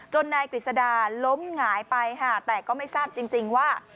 จนนายกริสดาล้มหงายไปแต่ก็ไม่ทราบจริงว่า